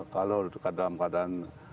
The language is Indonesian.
kalau dalam keadaan